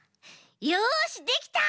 よしできた！